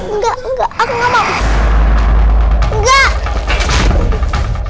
enggak enggak enggak